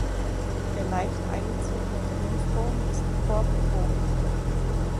Der leicht eingezogene Triumphbogen ist korbbogig.